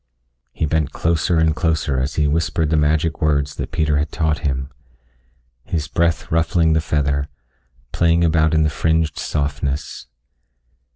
He bent closer and closer as he whispered the magic words that Peter had taught him, his breath ruffling the feather, playing about in the fringed softness.